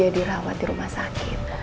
dirawat di rumah sakit